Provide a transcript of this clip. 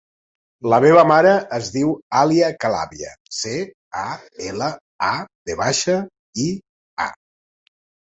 La meva mare es diu Alia Calavia: ce, a, ela, a, ve baixa, i, a.